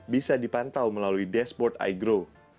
bisa dipantau melalui dashboard igrow